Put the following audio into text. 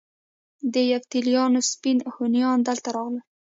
د یفتلیانو سپین هونیان دلته راغلل